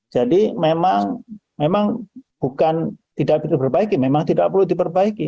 jadi memang bukan tidak perlu diperbaiki memang tidak perlu diperbaiki